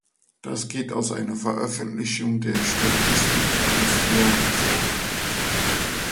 Das geht aus einer Veröffentlichung der Statistik Austria hervor.